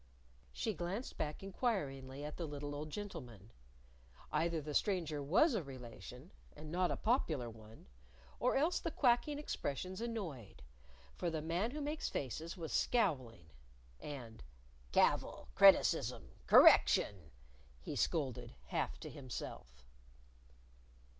She glanced back inquiringly at the little old gentleman. Either the stranger was a relation and not a popular one or else the quacking expressions annoyed. For the Man Who Makes Faces was scowling. And, "Cavil, criticism, correction!" he scolded, half to himself.